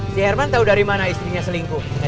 si herman tahu dari mana istrinya selingkuh